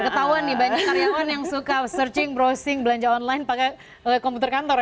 ketahuan nih banyak karyawan yang suka searching browsing belanja online pakai komputer kantor ya